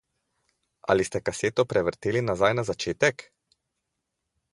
Ali ste kaseto prevrteli nazaj na začetek?